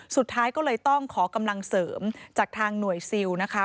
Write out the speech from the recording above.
สุดท้ายก็เลยต้องขอกำลังเสริมจากทางหน่วยซิลนะคะ